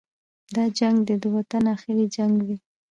دا جنګ دې د وطن اخري جنګ وي.